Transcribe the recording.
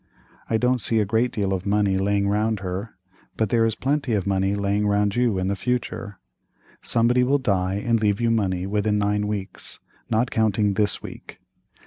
I don't see a great deal of money layin' round her, but there is plenty of money layin' round you in the future. Somebody will die and leave you money within nine weeks, not counting this week.